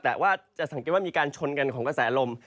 แต่ว่าจะสังเกตว่ามีการชนกันของกระแสลม